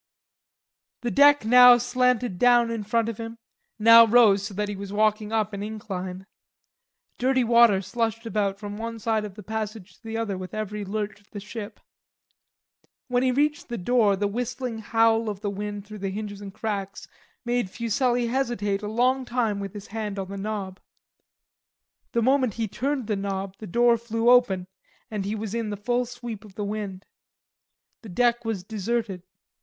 The deck now slanted down in front of him, now rose so that he was walking up an incline. Dirty water slushed about from one side of the passage to the other with every lurch of the ship. When he reached the door the whistling howl of the wind through the hinges and cracks made Fuselli hesitate a long time with his hand on the knob. The moment he turned the knob the door flew open and he was in the full sweep of the wind. The deck was deserted.